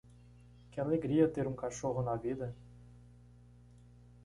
Que alegria ter um cachorro na vida?